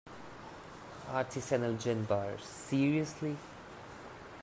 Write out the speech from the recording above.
Artisanal gin bar, seriously?!